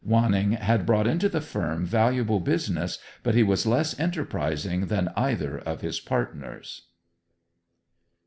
Wanning had brought into the firm valuable business, but he was less enterprising than either of his partners.